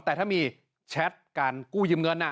แต่ถ้ามีแชทการกู้ยืมเงิน